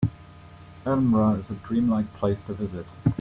Edinburgh is a dream-like place to visit.